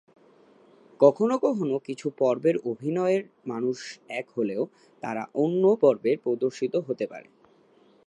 কখনও কখনও কিছু পর্বের অভিনয়ের মানুষ এক হলেও তারা অন্য পর্বের প্রদর্শিত হতে পারে।